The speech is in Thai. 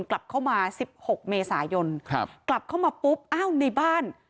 กลับเข้ามาสิบหกเมษายนครับกลับเข้ามาปุ๊บอ้าวในบ้าน